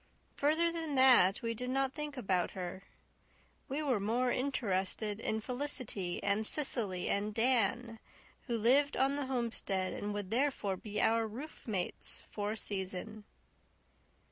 Further than that we did not think about her. We were more interested in Felicity and Cecily and Dan, who lived on the homestead and would therefore be our roofmates for a season.